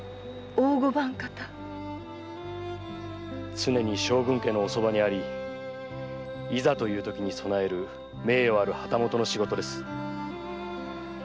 常に将軍家のおそばにありいざというときに備える名誉ある旗本の仕事です。